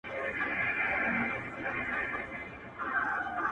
را ايله يې کړه آزار دی جادوگري,